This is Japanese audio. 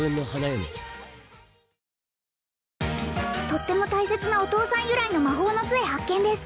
とっても大切なお父さん由来の魔法の杖発見です